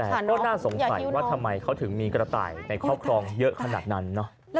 แต่ก็น่าสงสัยว่าทำไมเขาถึงมีกระต่ายในครอบครองเยอะขนาดนั้นเนอะ